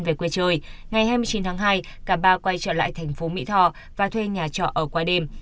về quê trời ngày hai mươi chín tháng hai cả ba quay trở lại tp mỹ thò và thuê nhà trọ ở qua đêm